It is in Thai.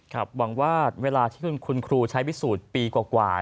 หวังว่าเวลาที่คุณครูใช้พิสูจน์ปีกว่า